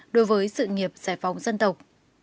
đối với sự nghiệp giải phóng dân tộc